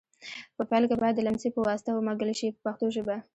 په پیل کې باید د لمڅي په واسطه ومږل شي په پښتو ژبه.